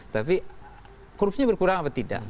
tapi korupsinya berkurang apa tidak